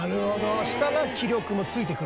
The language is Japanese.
そしたら気力もついてくるんですね。